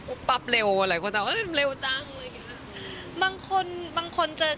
ครับแต่ว่าเข